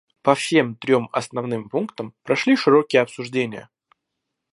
По всем трем основным пунктам прошли широкие обсуждения.